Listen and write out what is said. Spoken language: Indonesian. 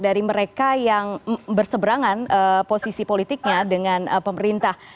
dari mereka yang berseberangan posisi politiknya dengan pemerintah